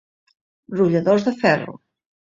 Brolladors de ferro.